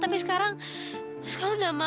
tapi yang pentinglah liat muda aja va